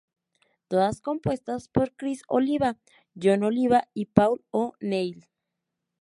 Todas compuestas por Criss Oliva, Jon Oliva y Paul O'Neill.